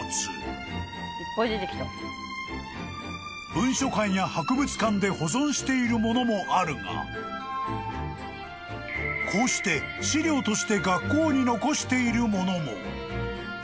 ［文書館や博物館で保存している物もあるがこうして資料として学校に残している物も］